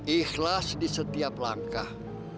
ikhlas di setiap langkah